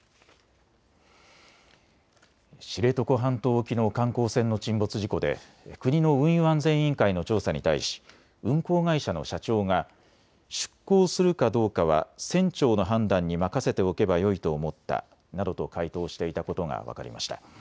知床半島沖の観光船の沈没事故で国の運輸安全委員会の調査に対し運航会社の社長が出航するかどうかは船長の判断に任せておけばよいと思ったなどと回答していたことが分かりました。